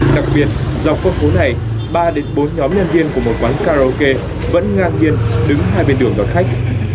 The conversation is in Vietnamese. đặc biệt dọc qua phố này ba bốn nhóm nhân viên của một quán karaoke vẫn ngang nghiêng đứng hai bên đường đọc khách